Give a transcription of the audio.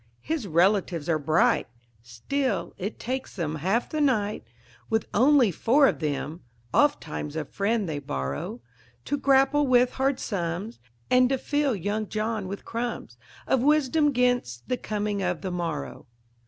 His relatives are bright; still, it takes them half the night With only four of them ofttimes a friend they borrow To grapple with hard sums, and to fill young John with crumbs Of wisdom 'gainst the coming of the morrow.